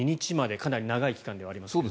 かなり長い期間ではあります。